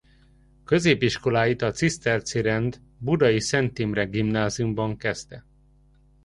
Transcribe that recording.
Középiskoláit a Ciszterci Rend budai Szent Imre Gimnáziumban kezdte.